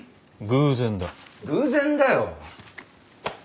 偶然だよ。